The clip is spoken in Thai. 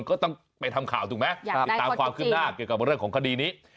ก็ต้องไปทำข่าวถูกไหมติดตามความขึ้นหน้าเกี่ยวกับเรื่องของคดีนี้